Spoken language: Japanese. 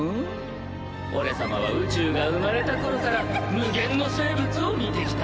俺様は宇宙が生まれた頃から無限の生物を見てきた。